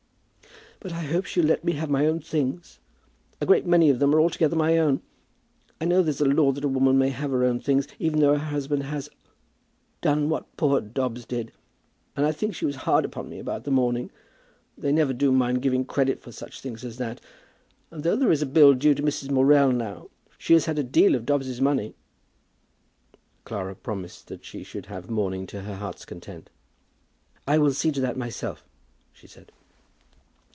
"But I hope she'll let me have my own things. A great many of them are altogether my own. I know there's a law that a woman may have her own things, even though her husband has, done what poor Dobbs did. And I think she was hard upon me about the mourning. They never do mind giving credit for such things as that, and though there is a bill due to Mrs. Morell now, she has had a deal of Dobbs's money." Clara promised her that she should have mourning to her heart's content. "I will see to that myself," she said.